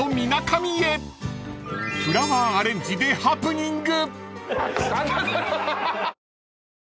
［フラワーアレンジでハプニング］